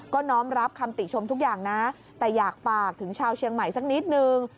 ก็น้อมรับคำติชมทุกอย่างนะแต่อยากฝากถึงชาวเชียงใหม่สักนิดนึง